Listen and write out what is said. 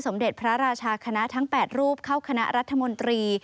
เด็จพระราชาคณะทั้ง๘รูปเข้าคณะรัฐมนตรี